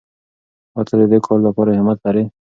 آیا ته د دې کار لپاره همت لرې؟